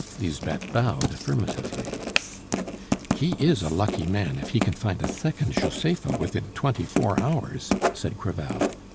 Lisbeth bowed affirmatively. "He is a lucky man if he can find a second Josepha within twenty four hours!" said Crevel.